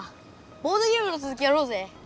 ボードゲームのつづきやろうぜ！